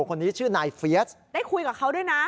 คนนี้ชื่อนายเฟียสได้คุยกับเขาด้วยนะ